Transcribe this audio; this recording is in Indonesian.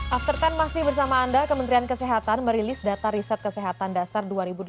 after sepuluh masih bersama anda kementerian kesehatan merilis data riset kesehatan dasar dua ribu delapan belas